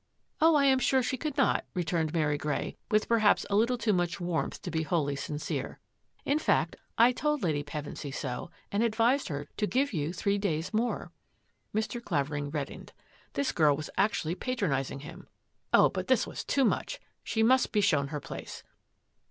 " Oh, I am sure she could not," returned Mary Grey, with perhaps a little too much warmth to be wholly sincere. " In fact, I told Lady Pevensy so and advised her to give you three days more." Mr. Clavering reddened. This girl was actually patronising him. Oh, but this was too much! She must be shown her place.